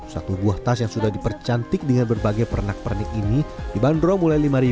satu buah tas yang sudah dipercantik dengan berbagai pernak pernik ini dibanderol mulai lima sampai tiga puluh rupiah